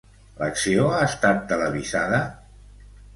L'acció ha estat televisada?